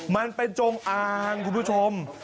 มันเป็นจงอางคุณผู้ชม